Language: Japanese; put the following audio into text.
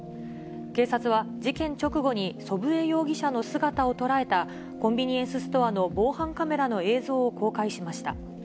警察は、事件直後に祖父江容疑者の姿を捉えた、コンビニエンスストアの防犯カメラの映像を公開しました。